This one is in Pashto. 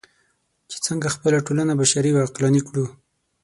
چې څنګه خپله ټولنه بشري او عقلاني کړو.